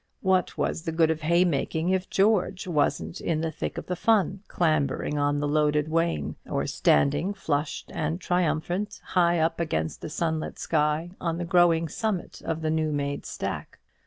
What was the good of haymaking if George wasn't in the thick of the fun, clambering on the loaded wain, or standing flushed and triumphant, high up against the sunlit sky on the growing summit of the new made stack?